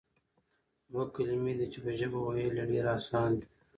دوه کلمې دي چې په ژبه ويل ئي ډېر آسان دي،